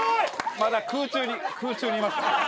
・まだ空中に空中にいました。